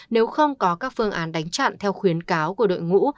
nếu không có các phương án đánh chặn theo khuyến cáo của đội ngũ